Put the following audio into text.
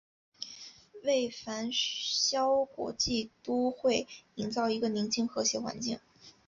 为繁嚣国际都会营造一个宁静和谐环境。